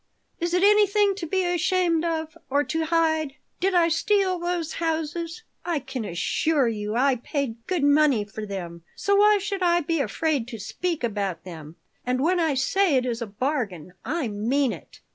Is it anything to be ashamed of or to hide? Did I steal those houses? I can assure you I paid good money for them. So why should I be afraid to speak about them? And when I say it is a bargain, I mean it.